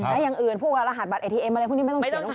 และอย่างอื่นพวกรหัสบัตเอทีเอ็มอะไรพวกนี้ไม่ต้องเขียน